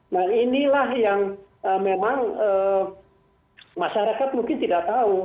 nah inilah yang memang masyarakat mungkin tidak tahu